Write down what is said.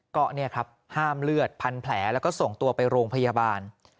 ก็เนี่ยครับห้ามเลือดพันแผลแล้วก็ส่งตัวไปโรงพยาบาล